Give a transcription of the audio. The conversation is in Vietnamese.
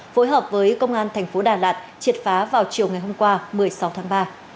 phối hợp với công an thành phố đà lạt triệt phá vào chiều ngày hôm qua một mươi sáu tháng ba